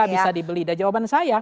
lembaga bisa dibeli dan jawaban saya